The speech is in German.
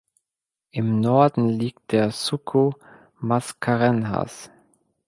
Im Norden liegt der Suco Mascarenhas.